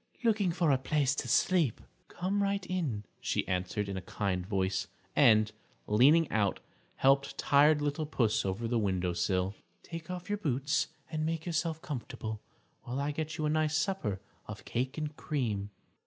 "Looking for a place to sleep." "Come right in," she answered, in a kind voice, and, leaning out, helped tired little Puss over the windowsill. "Take off your boots and make yourself comfortable, while I get you a nice supper of cake and cream."